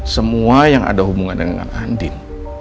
semua yang ada hubungannya dengan andin